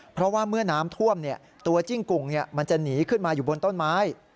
เพราะว่าเมื่อน้ำท่วมตัวจิ้งกุ่งมันจะหนีขึ้นมาอยู่บนต้นไม้